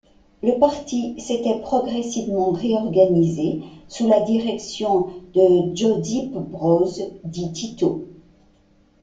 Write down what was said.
Le parti s'était progressivement réorganisé, sous la direction de Josip Broz, dit Tito.